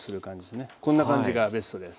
こんな感じがベストです。